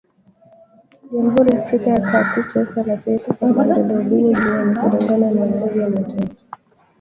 Jamhuri ya Afrika ya kati, taifa la pili kwa maendeleo duni duniani kulingana na umoja wa mataifa .